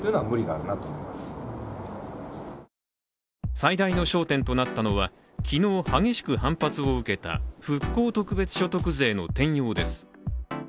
最大の焦点となったのは、昨日激しく反発を受けた復興特別所得税の転用です。